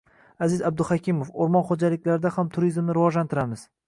Aziz Abduhakimov: Oʻrmon xoʻjaliklarida ham turizmni rivojlantiramiz